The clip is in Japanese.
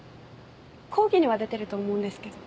講義には出てると思うんですけど。